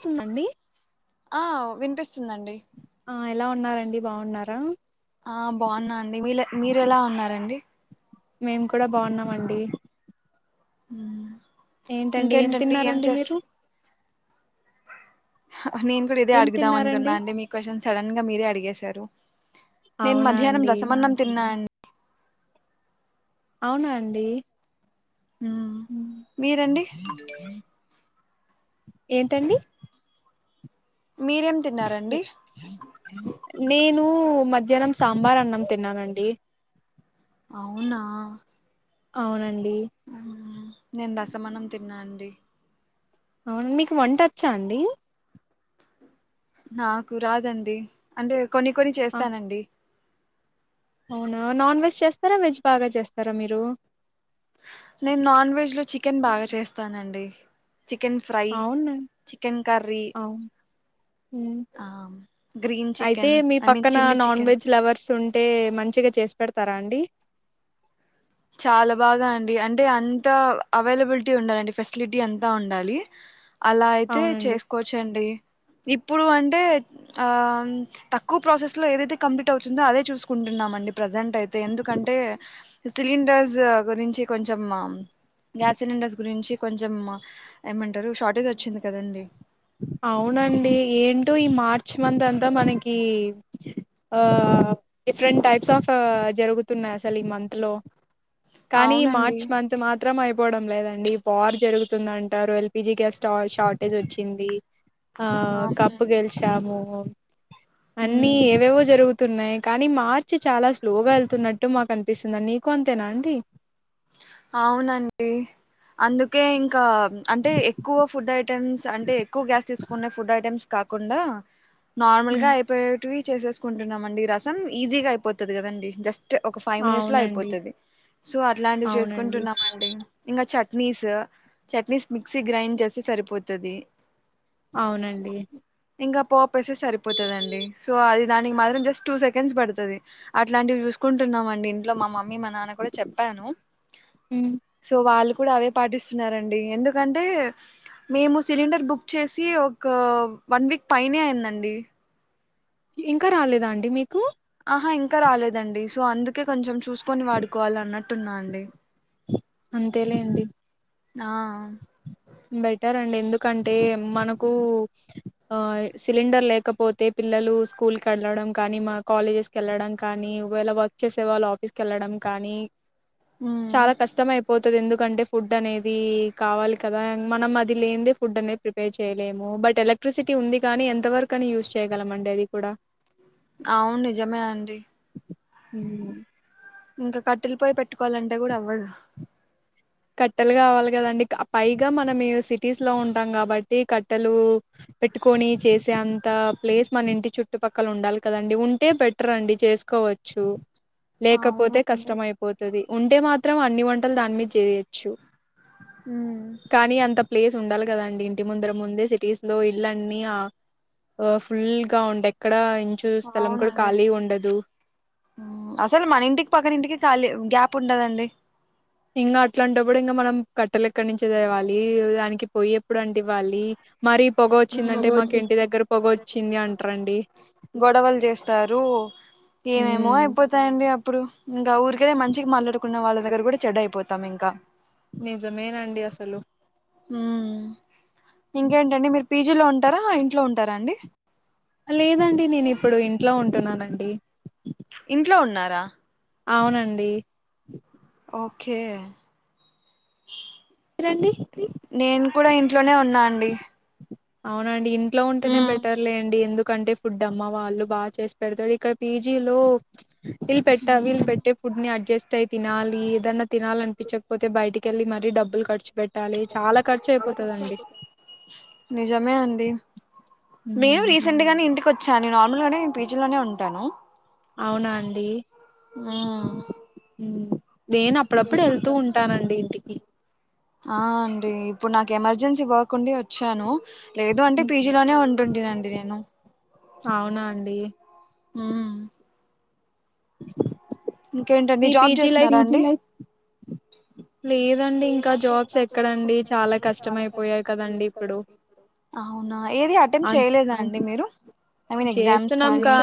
స్తుందండి ఆ విన్పిస్ ఆ ఎలా ఉన్నారండి బాగున్నారా ఆ బావున్నా అండి వీలె మీరెలా ఉన్నారండి మేం కూడా బావున్నామండి ఊ ఇంకేంటండి ఏం తిన్నారండి చేస్తు మీరు హా నేను కూడా ఇదే ఏం అడుగుదాం అనుకున్నా తిన్నారండి అండి మీ క్వషన్ సడన్ గా మీరే అడిగేశారు నేను అవునా మధ్యాహ్నం అండి రసమన్నం తిన్నా అం అవునా అండి ఉ ఉమ్. మీరండి ఏంటండి మీరేం తిన్నారండి ఏ- నేను మధ్యాహ్నం సాంబార్ అన్నం తిన్నానండి అవునా అవునండి మ్ నేను రసమన్నం తిన్నా అండి అవును మీకు వంటొచ్చా అండి నాకు రాదండి అంటే కొన్ని కొన్ని ఆ, చేస్తానండి అవునా నాన్ వెజ్ చేస్తారా వెజ్ బాగా చేస్తారా మీరు నేను నాన్ వెజ్ లో చికెన్ బాగా చేస్తానండి చికెన్ ఫ్రై అవునా చికెన్ కర్రీ అవును ఉమ్. ఆ గ్రీన్ అయితే చికెన్ మీ ఐ మీన్ పక్కన chilli non chicken veg lovers ఉంటే మంచిగా చేసు పెడతారా అండి చాలా బాగా అండి అంటే అంత అవైలబిలిటీ ఉండాలండి ఫెసిలిటీ అంతా ఉండాలి అలా అయితే అవునండి చేసుకోవచ్చండి ఇప్పుడు అంటే ఆ తక్కువ ప్రాసెస్ లో ఏదైతే కంప్లీట్ అవుతుందో అదే చూసుకుంటున్నామండి ప్రజెంట్ అయితే ఎందుకంటే సిలిండర్స్ గురించి కొంచం గ్యాస్ సిలిండర్స్ గురించి కొంచెం ఏమంటారు షార్టేజ్ వచ్చింది కదండి అవునండి ఏంటో ఈ మార్చ్ మంత్ అంతా మనకి ఆ డిఫరెంట్ టైప్స్ ఆఫ్ జరుగుతున్నాయి అసలు ఈ మంత్ లో కానీ అవునండి మార్చ్ మంత్ మాత్రం మాత్రం అయిపోవడం లేదండి వార్ జరుగుతుంది అంటారు ఎల్పిజి గ్యాస్ స్టా షార్టేజ్ వచ్చింది ంది ఆ కప్పు అవునండి గెలిచాము అన్నీ ఉమ్ ఏవేవో జరుగుతున్నాయి న్నాయి కానీ మార్చి చాలా స్లోగా వెళ్తున్నట్టు మాకు అనిపిస్తుంది నీకు అంతేనా అండి అవునండి అందుకే ఇంకా అంటే ఎక్కువ ఫుడ్ ఐటెమ్స్ అంటే ఎక్కువ గ్యాస్ తీసుకునే ఫుడ్ ఐటెమ్స్ కాకుండా కాకుండా నార్మల్ గా హ్మ్. అయిపోయేటివి చేసేసుకుంటున్నామండి రసం ఈజీగా అయిపోతది కదండి జస్ట్ ఒక ఫైవ్ మినిట్స్ లో అవునండి అయిపోతది సో అట్లాంటివి అవునండి చేసుకుంటున్నామండి ఇంకా చట్నీస్ చట్నీస్ మిక్సీ గ్రైండ్ చేస్తే సరిపోతది అవునండి ఇంకా పోపేస్తె సరిపోతదండి సో అది దానికి మాత్రం జస్ట్ టూ సెకండ్స్ పడుతది అట్లాంటివి చూసుకుంటున్నామండి ంటున్నాండి ఇంట్లో మా మమ్మీ మా నాన్న కూడా చెప్పాను హ్మ్. సో వాళ్ళు కూడా అవే పాటిస్తున్నారండి ఎందుకంటే మేము సిలిండర్ బుక్ చేసి ఒక వన్ వీక్ పైనే అయిందండి ఇంకా రాలేదా అండి మీకు ఆహా ఇంకా రాలేదండి సో అందుకే కొంచెం చూసుకొని వాడుకోవాలి అన్నట్టున్నా అండి అంతేలేండి ఆ బెటర్ అండి ఎందుకంటే మనకు ఆ సిలిండర్ లేకపోతే పిల్లలు స్కూల్ కి వెళ్లడం కానీ మా కాలేజెస్ కు వెళ్లడం కానీ ఒకవేళ వర్క్ చేసే వాళ్లు ఆఫీస్ కు వెళ్లడం కానీ ఉమ్ చాలా కష్టం అయిపోతది ఎందుకంటే ఫుడ్ అనేది కావాలి కదా మనం అది లేనిదే ఫుడ్ అనేది ప్రిపేర్ చేయలేము బట్ ఎలక్ట్రిసిటీ ఉంది కానీ ఎంతవరకని యూస్ చేయగలమండి చేయగల మండి అది కూడా అవును నిజమే అండి హ ఇంక కట్టెలు పొయ్యి పెట్టుకోవాలంటే కూడా అవ్వదు కట్టెలు కావాలి కదండి పైగా మనం సిటీస్ లో ఉంటాం కాబట్టి కట్టెలు పెట్టుకొని చేసే అంత ప్లేస్ మన ఇంటి చుట్టుపక్కల ఉండాలి కదండి ఉంటే బెటర్ అండి చేసుకోవచ్చు కోవచ్చు లేకపోతే అవునండి కష్టమైపోతది ఉంటే మాత్రం అన్ని వంటలు దాని మీద చేయొచ్చు అ కానీ అంత ప్లేస్ ఉండాలి కదాండి ఇంటి ముందర ముందే సిటీస్ లో ఇల్లన్నీ ఆ అ ఫుల్ గా ఉంటయి ఎక్కడ ఇంచు స్థలం కూడా అవునండి ఖాళీ ఉండదు అసలు మన ఇంటికి పక్కన ఇంటికి ఖాళీ గ్యాప్ ఉండదండి ఇంక అట్లాంటప్పుడు ఇంగ మనం కట్టెలు ఎక్కడ నుంచి‌ తేవాలి దానికి పొయ్యి ఎప్పుడు అంటివ్వాలి మరి పొగ వచ్చిందంటే మాకు ఇంటి దగ్గర పొగ వచ్చింది అంటరండి గొడవలు చేస్తారు ఏమేమో హ్మ్ అయిపోతాయండి అప్పుడు ఇంకా ఊరికనే మంచిగా మాట్లాడుకునే వాళ్ళ దగ్గర కూడా చెడ్డ అయిపోతాం ఇంకా నిజమేనండి అసలు ఉ ఇంకేంటండి మీరు పీజీలో ఉంటారా ఇంట్లో ఉంటారా అండి లేదండి నేను ఇప్పుడు ఇంట్లో ఉంటున్నానండి ఇంట్లో ఉన్నారా అవునండి ఒకే మీరండి నేను కూడా ఇంట్లోనే ఉన్నా అండి అవునండి ఇంట్లో ఉంటేనే ఉమ్ బెటర్ లెండి ఎందుకంటే కంటే ఫుడ్ అమ్మ వాళ్ళు బాగా చేసి పెడతారు ఇక్కడ పీజీలో వీల్ పెట్టా వీళ్ళు పెట్టే ఫుడ్ ని అడ్జస్ట్ అయి తినాలి ఏదన్నా తినాలి అనిపించకపోతే బయటికి వెళ్లి మరీ డబ్బులు ఖర్చు పెట్ ట్టాలి చాలా ఖర్చు అయిపోతదండి నిజమే అండి మేము హ్మ్ రీసెంట్ గానే ఇంటి కోచ్చాను నెన్ నార్మల్ గానే పీజీ లోనే ఉంటాను అవునా అండి ఊ మ్ ఉమ్. నేను అప్పుడప్పుడు వెళ్తూ ఉంటానండి ఇంటికి ఆ అండి ఇప్పుడు నాకు ఎమర్జెన్సీ వర్క్ ఉండి వచ్చాను లేదు అంటే ఉమ్, పీజీలోనే ఉంటుంటినండి నేను అవునా అండి మ్ ఇంకేంటండి మీ జాబ్ పీజీ లైఫ్ చేస్తున్నారా అండి లేదండి ఇంకా జాబ్స్ ఎక్కడండి చాలా కష్టం అయిపోయాయి కదండి ఇప్పుడు అవునా ఏది అటెంప్ట్ అం చేయలేదా అండి మీరు ఐ మీన్ ఎగ్జామ్స్ చేస్తున్నాం కానీ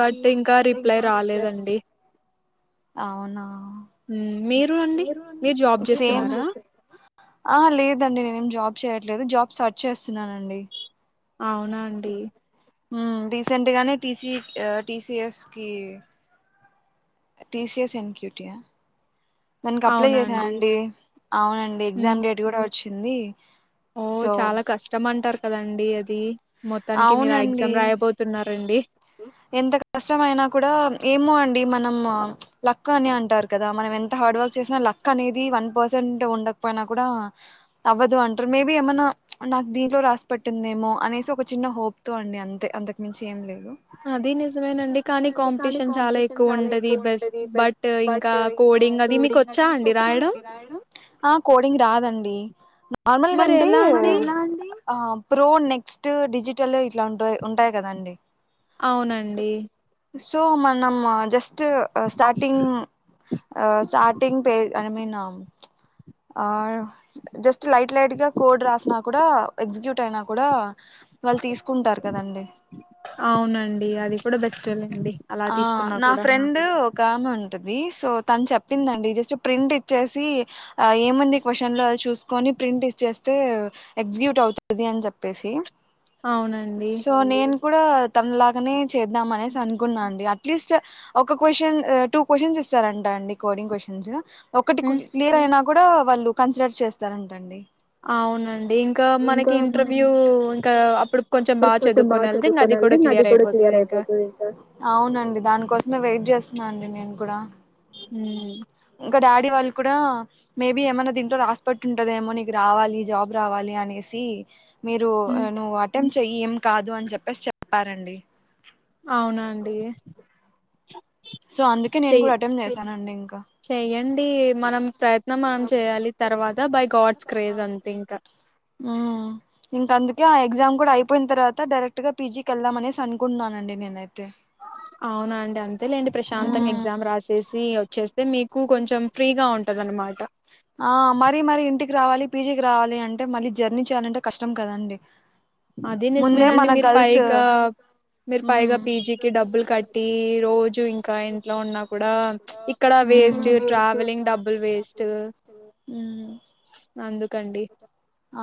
బట్ ఇంకా రిప్లై రాలేదండి అవునా ఉమ్, మీరు అండి మీరు జాబ్ సేమ్ అన్ చేస్తున్నారా ఆ లేదండి నేనేం జాబ్ చేయట్లేదు జాబ్ సర్చ్ చేస్తున్నానండి అవునా అండి మ్ రీసెంట్ గానే టిసి అ టిసిఎస్ కి T CS N Q T యా దానికి అప్లై అవునా అండి చేశానండి అవునండి ఉమ్. ఎగ్జామ్ డేట్ కూడా వచ్చింది ఓ సో చాలా కష్టం అంటారు కదండి అది మొత్తానికి మీరు ఆ అవునండి ఎగ్జామ్ రాయబోతున్నారండి ఎంత కష్టమయినా కూడా ఏమో అండి మనం లక్ అని అంటారు కదా మనం ఎంత హార్డ్ వర్క్ చేసినా లక్ క్ అనేది వన్ పర్సెంట్ ఉండకపోయినా కూడా అవ్వదు అంటారు మేబి ఏమన్నా నాకు దీనిలో రాసి పెట్టిందేమో అనేసి ఒక చిన్న హోప్ తో అండి అంతే అంతకు మించి ఏం లేదు అది నిజమేనండి. కానీ నిజమేండి కానీ కాంపిటీషన్ చాలా ఎక్కువుంటది. ఎక్కువ బెస్ ఉంటది బెస్ట్ ఇంకా బట్ ఇ కోడింగ్ అది మీకొచ్చా అండి రాయడం? ఆ కోడింగ్ రాదండి నార్మల్గా మరి అంటే ఎలా అండి ఆ ప్రో నెక్స్ట్ డిజిటల్ ఇట్లా ఉంట ఉంటాయి కదండి అవునండి సో మనం జస్ జస్ట్ స్టార్టింగ్ ఆ స్టార్టింగ్ పే ఐ మీన్ ఆ జస్ట్ లైట్ లైట్ గా కోడ్ రాసిన కూడా ఎగ్జిక్యూట్ అయినా కూడా వాళ్ళు తీసుకుంటారు కదండి అవునండి. అది కూడా బెస్టేలెండి అలా ఆ తీసుకున్నా నా కూడా. ఫ్రెండ్ ఒక ఆమె ఉం టది సో చెప్పిందండి జస్ట్ ప్రింట్ ఇచ్చేసి ఆ ఏముంది క్యూషన్ లోది చూస్కొని ని ప్రింట్ ఇచ్చేస్తే ఎగ్జిక్యూట్ అవుతది అని చెప్పేసి అవునండి కుడా తనలాగానే చేద్దాం అనేసి అనుకున్నా అండి అట్లీస్ట్ ఒక క్వశ్చన్ టూ క్వశ్చన్స్ ఇస్తారంట అండి కోడింగ్ క్వ్చన్స్ ఒకటి హ్మ్. క్లియర్ అయినా కూడా వాళ్ళు కన్సిడర్ చేస్తారంటండి అవునండి ఇంకా మనకి ఇంటర్వ్యూ ఇంకా అప్పుడుకి కొంచెం బాగా చదువుకోని వెళ్తే ఇంకా అది కూడా క్లియర్ అయిపోతదింకా. అవునండి దానికోసమే వెయిట్ చేస్తున్నా అండి నేను కూడా మ్ తే వాళ్ళు కూడా మేబి ఏమనా దీంట్లో రాసిపెట్టి ఉంటదేమో నీకు రావాలి జాబ్ రావాలి అనేసి మీరు హ్మ్. నువ్వు అటెంప్ట్ చెయ్యి ఏం కాదు అని చెప్పేసి చెప్పారండి అవునా అండి సో అందుకే నేను కూడా అటెంట్ చేశానండి ఇంకా. టి మనం ప్రయత్నం మనం చేయాలి, తర్వాత బై గాడ్స్ క్రేజ్ అంతే ఇంకా ఉమ్ ఇంక అందుకే ఆ ఎగ్జామ్ కూడా అయిపోయిన తర్వాత డరెక్ట్ గా పీజి ఎళ్దాంమనేసి అనుకుంటన్నానండి నేనైతే. అవునా అండి, అంతేలేండి ప్రశాంతంగా మ్మ్ ఎగ్జామ్ రాసేసి అయితే మీకు కొంచెం ఫ్రీగా ఉంటందనమాట. ఆ మరి మరి ఇంటికి రావాలి పీజికి రావాలి అంటే మళ్ళీ జర్నీ చేయాలంటే కష్టం కదండి. అదీ ముందే నిజమేనండి మన మీరు గర్ల్స్ పైగా మీరు ఉమ్ పైగా పీజీకి డబ్బులు కట్టి, రోజు ఇంకా ఇంట్లో ఉన్నా కూడా ప్చ్ ఇక్కడ వేస్ట్ ట్రావెలింగ్ డబ్బుల్ వేస్ట్. ఉమ్ అందుకండి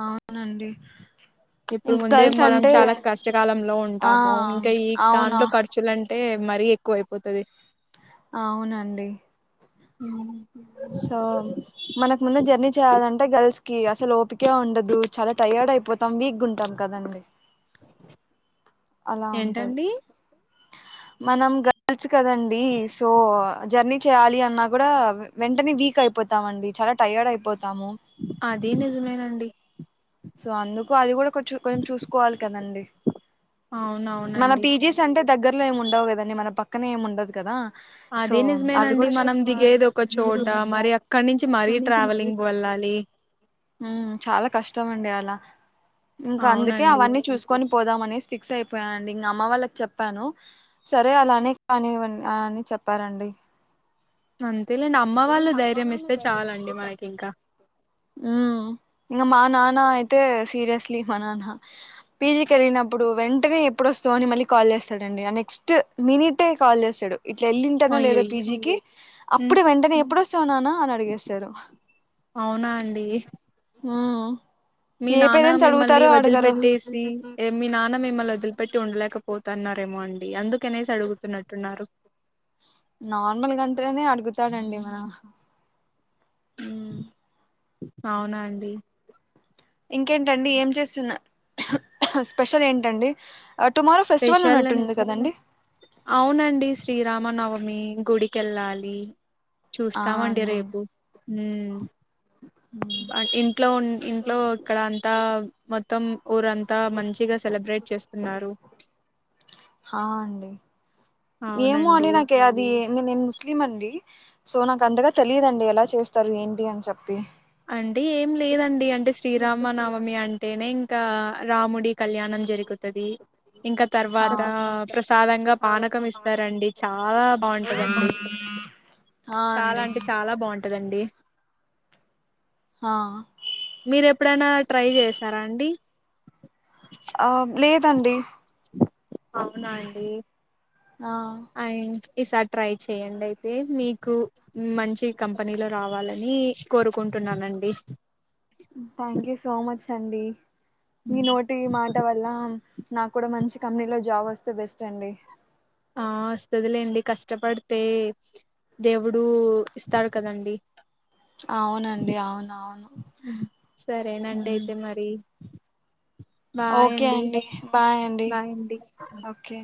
అవునండి కిప్పుడు ఇంకా ముందే గర్ల్స్ మనం అంటే చాలా కష్టకాలంలో ఆ ఉంటాము, ఇంకా ఈ అవునా దాంట్లో ఖర్చులం టే మరీ ఎక్కువ అయిపోతది. ఆవునండి సో మనకు ముందు జర్నీ చేయాలం అంటే గర్ల్స్ కి అసలు ఓపికే ఉండదు, చాలా టయర్డ్ అయిపోతాం, వీక్ గుంటాం కదండి. అలా ఉంటది. ఏంటండి మనం గల్చ్ కదండి స్ సో జర్నీ చేయాలి అన్నా కూడా, వెంటనే వీక్ అయిపోతామండి, చాలా టయర్డ్ అయిపోత్ అదీ నిజమేనండి. సో అందుకు అది గుడ కొంచం కొంచెం చూసుకోవాలి కదండి. మన అవునవునండి పీజీస్ అంటే దగ్గర్ ల్లో ఏం ఉండవు కదండి, మన పక్కనే ఏం ఉండదు కదా. సో అదే అవి నిజమేనండి, కూడా మనం చూసుకోవాలి దిగేది ఒక ఏదో చోట ఒక మరి అక్కడ నుంచి మరీ ట్రావెలింగ్ వల్ల అని ఉమ్ చాలా కష్టం అండి అలా, ఇంకా అందుకే అవునండి. అవన్నీ చూసుకొని ప్ పోదామనేసి ఫిక్స్ అయిపోయా అండి ఇంగ అమ్మ వాళ్ళకి చెప్పాను, సరే అలానే కానివ్వండి ఆ అని చెప్ చెప్పారండి అంతే లేండి అమ్మ వాళ్ళు ధైర్యం ఇస్తే చాలండి మనకి ఇంకా. ఉమ్ ఇంగ మా నాన్న అయితే సీరియస్లీ మా నాన్న, పిజీ కెళ్ళినప్పుడు వెంటనే ఎప్పుడోస్తావు అని మళ్ళీ కాల్ చేస్తడండి, ఆ నెక్స్ట్ మినిటే కాల్ చేస్తడు, ఇట్లా ఎళ్ళింటానో లేదో అయ్యయ్యో! పీజికి అప్ హ్మ్. అప్పుడు వెంటనే ఎప్పుడొస్తవ్ నాన్న అనడిగేస్తరు. అవునా అండి? మీ నాన్న మిమ్మల్ని అడగరో వదిలిపెట్టేసి, మీ నాన్న మిమ్మల్ని వదిలిపెట్టి ఉండలేకపోతన్నారేమో వెళ్ళిపోతారు. అం డి అందుకనేసి అడుగుతున్నట్టున్నారు. నార్మల్ కంటేనే అడుగుతాడండి మ నాన్న ఉమ్ అవునా అండి. ఇంకేంటండి, ఏం చేస్తున్న స్పెషల్ ఏంటండి? టుమారో ఫెస్టివల్ స్పెషల్ అన్, ఉన్నట్టుంది కదండి అవునండి శ్రీరామ నవ మీ గుడికెళ్ళాలి ఆ చూస్తామండి అండి రేపు. ఇంట్లో ఉన్ ఇంట్లో ఇక్కడ అంతా మొత్తం ఊరంతా మంచిగా సెలబ్రేట్ చేస్తున్నారు. హా అండి ఏమో అండి అవునండి నాకది ఏ నేను ముస్లిం అండి, సో నాకు అంతగా తెలియదండి ఎలా చేస్తారు, ఏంటి అని చెప్పి. అంటే ఏం లేదండి అంటే శ్రీరామ నవమి అంటేనే ఇంకా, రాముడి కళ్యాణం జరుగుతది. ఇంకా తర్వాత ప్రసాదంగా పానకం ఇస్తారండి చా లా చక్కగా బాగుంటందండి, ఆ చాలా అండి అంటే చాలా బాగుంటందండి. హా ఎప్పుడన్నా ట్రై చేశారా అండి? ఆ లేదండి అవునా అండి ఆ అ ఈసారి ట్రై చేయండి అయితే మీకు మంచి కంపెనీలో రావాలని కోరుకుంటున్నానండి. థ్యాంక్ యూ సో మచ్ అండి మీ నోటి మాట వల్ల నాకు కూడా మంచి కంపెనీ లో జాబ్ వస్తే బెస్ట్ అండి. ఆ వస్తదిలేండి కష్టపడితే దేవుడు ఇస్తాడు కదండి అవునండి అవును సరేనండి అవును అయితే మరి ఓకే అండి బాయ్ అండి ఓకే